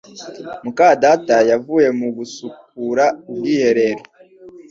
muka data yavuye mu gusukura ubwiherero